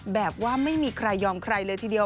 แบบว่าไม่มีใครยอมใครเลยทีเดียว